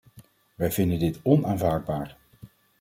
Wij vinden dit onaanvaardbaar.